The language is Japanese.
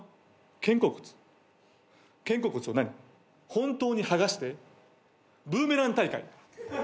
本当に剥がしてブーメラン大会。